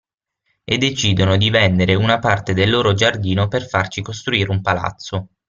E decidono di vendere una parte del loro giardino per farci costruire un palazzo.